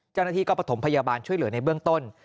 เจ้าหน้าที่ก็ประถมพยาบาลช่วยเหลือในเบื้องต้น